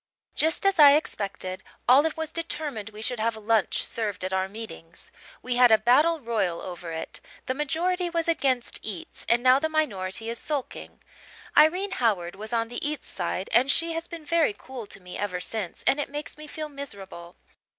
"Just as I expected, Olive was determined we should have lunch served at our meetings. We had a battle royal over it. The majority was against eats and now the minority is sulking. Irene Howard was on the eats side and she has been very cool to me ever since and it makes me feel miserable.